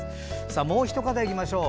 もう一方いきましょう。